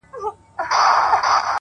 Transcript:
دا درې جامونـه پـه واوښـتـل،